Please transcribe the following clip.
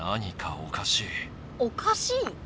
おかしい？